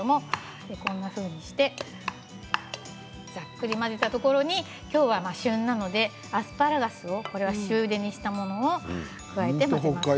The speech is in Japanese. こんなふうにしてざっくり混ざったところにきょうは旬なのでアスパラガスを塩ゆでにしたものを加えます。